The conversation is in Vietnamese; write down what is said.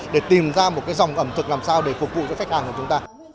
để tìm ra một dòng ẩm thực làm sao để phục vụ cho khách hàng của chúng ta